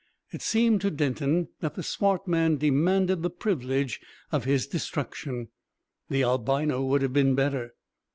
It seemed to Denton that the swart man demanded the privilege of his destruction. The albino would have been better.